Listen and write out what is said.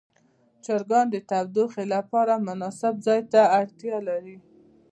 چرګان د تودوخې لپاره مناسب ځای ته اړتیا لري.